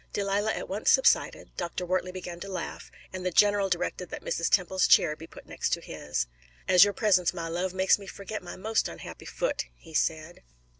Delilah at once subsided, Dr. Wortley began to laugh, and the general directed that Mrs. Temple's chair be put next to his. "As your presence, my love, makes me forget my most unhappy foot," he said.